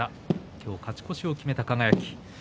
今日、勝ち越しを決めた輝。